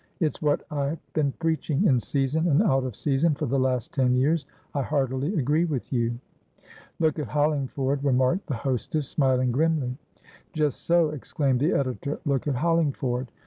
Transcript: "It's what I've been preaching, in season and out of season, for the last ten years. I heartily agree with you." "Look at Hollingford," remarked the hostess, smiling grimly. "Just so!" exclaimed the editor. "Look at Hollingford!